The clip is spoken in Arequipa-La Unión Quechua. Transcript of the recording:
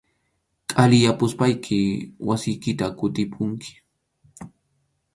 Qhaliyapuspayki wasiykita kutipunki.